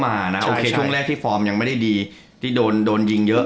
อ่ะอ่ะนะทุ่งแรกที่ฟอร์มยังไม่ได้ดีที่โดนโดนยิงเยอะ